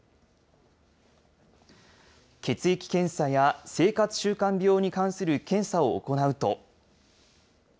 血液検査や生活習慣病に関する検査を行うと。